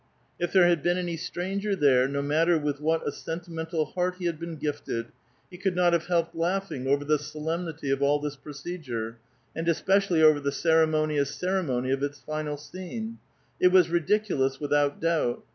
If there had been any stranger there, no matter with what a sentimental heart he had been gifted, he could not have helped laughing over the solemnity of all this procedure, and especially over the ceremonious ceremou}* of its final scene, it was ridiculous without doubt.